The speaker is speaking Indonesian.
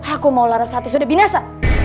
aku mau larasati sudah binasa